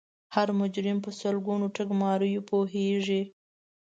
هر مجرم په سلګونو ټګماریو پوهیږي